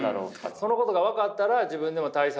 そのことが分かったら自分でも対策。